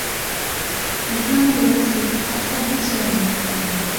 مېھماننى يولغا سېلىپ قارىسام ھېچ يەردىن تاپالمىدىم.